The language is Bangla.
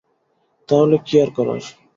তাহলে কী আর করার!